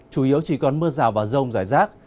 chủ yếu chỉ còn mưa rào và rông rải rác